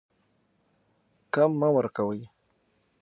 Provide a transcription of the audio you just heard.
کم مه ورکوئ.